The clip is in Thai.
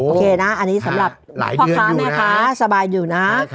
โอเคนะอันนี้สำหรับพ่อค้าแม่ค้าสบายอยู่นะ